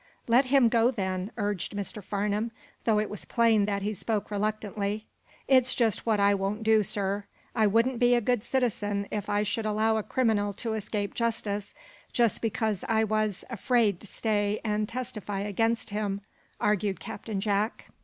"Let him go, then," urged Mr. Farnum, though it was plain that he spoke reluctantly. "It's just what I won't do, sir. I wouldn't be a good citizen if I should allow a criminal to escape justice just because I was, afraid to stay and testify against him," argued Captain Jack.